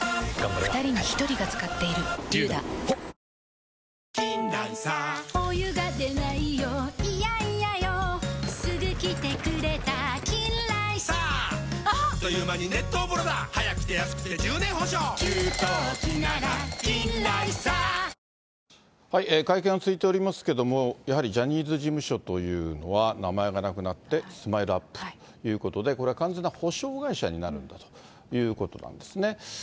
そうかこの肌とあと５０年その場しのぎじゃない一生ものの素肌会見は続いておりますけれども、やはりジャニーズ事務所というのは、名前がなくなって、スマイルアップということで、これは完全な補償会社になるんだということなんですね。